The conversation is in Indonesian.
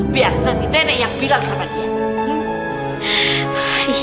biar nanti nenek yang bilang sama dia